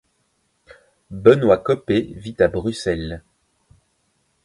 Benoît Coppée vit à Bruxelles.